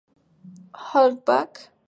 Half back.